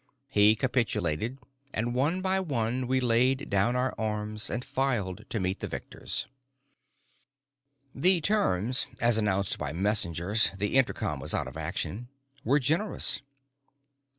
He capitulated, and one by one we laid down our arms and filed to meet the victors. The terms, as announced by messengers the intercom was out of action were generous.